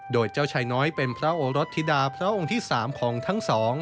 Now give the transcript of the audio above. โดยเจ้าชายน้อยเป็นพระโอรสธิดาพระองค์ที่๓ของทั้งสอง